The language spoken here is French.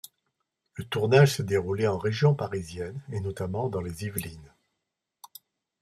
Le tournage s'est déroulé en région parisienne et notamment dans les Yvelines.